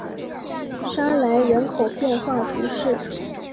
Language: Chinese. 沙莱人口变化图示